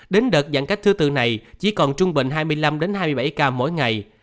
đến đợt giãn cách thứ tư này chỉ còn trung bình hai mươi năm hai mươi bảy ca mỗi ngày